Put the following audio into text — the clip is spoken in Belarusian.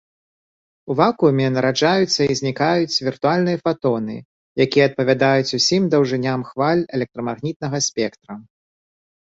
У вакууме нараджаюцца і знікаюць віртуальныя фатоны, якія адпавядаюць усім даўжыням хваль электрамагнітнага спектра.